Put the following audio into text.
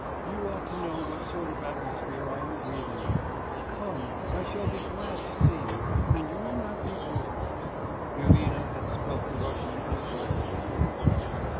You ought to know what sort of atmosphere I am breathing. Come; I shall be glad to see you, and you will not be bored. (Irina had spelt the Russian incorrectly here.)